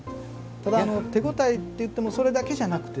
ただ手応えっていってもそれだけじゃなくてね